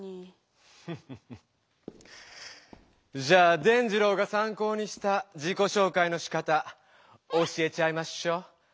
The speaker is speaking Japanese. じゃあ伝じろうがさん考にした自己紹介のしかた教えちゃいましょう！